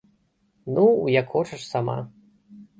Ну, як хочаш сама.